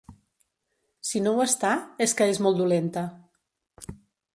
Si no ho està, és que és molt dolenta.